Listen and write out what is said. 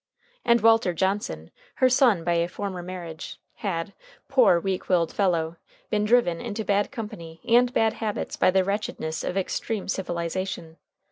And Walter Johnson, her son by a former marriage, had poor, weak willed fellow! been driven into bad company and bad habits by the wretchedness of extreme civilization.